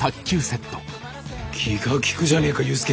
気が利くじゃねえか勇介。